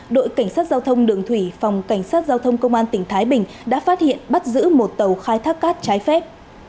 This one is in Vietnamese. đội cảnh sát giao thông đường thủy phòng cảnh sát giao thông công an tỉnh thái bình đã phát hiện bắt giữ một tàu khai thác cát trái phép